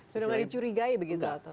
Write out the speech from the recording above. sudah tidak dicurigai begitu atau